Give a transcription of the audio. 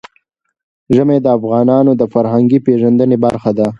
ژمی د افغانانو د فرهنګي پیژندنې برخه ده.